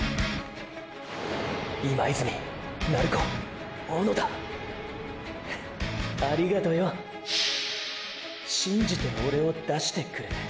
今泉鳴子小野田ありがとよ信じてオレを出してくれて。